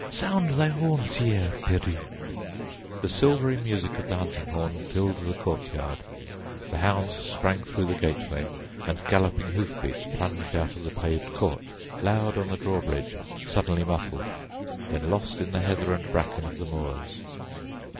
Sound thy horn, Sieur Piriou!" The silvery music of the hunting horn filled the courtyard, the hounds sprang through the gateway and galloping hoof beats plunged out of the paved court; loud on the drawbridge, suddenly muffled, then lost in the heather and bracken of the moors.